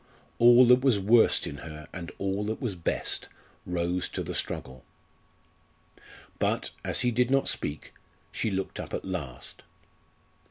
All that was worst in her and all that was best rose to the struggle. But, as he did not speak, she looked up at last.